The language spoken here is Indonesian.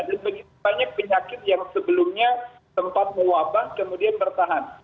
jadi penyakit yang sebelumnya sempat mewabah kemudian bertahan